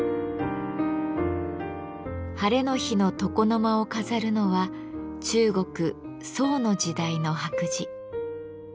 ハレの日の床の間を飾るのは中国・宋の時代の白磁。